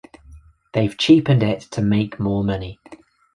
They've cheapened it to make more money.